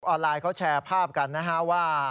ออนไลน์เขาแชร์ภาพกันนะฮะว่า